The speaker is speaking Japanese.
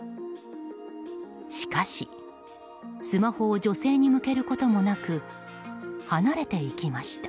しかし、スマホを女性に向けることもなく離れていきました。